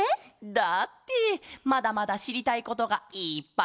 だってまだまだしりたいことがいっぱいなんだケロ！